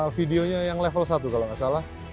videonya yang level satu kalau nggak salah